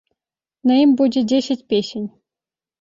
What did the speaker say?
На ім будзе дзесяць песень.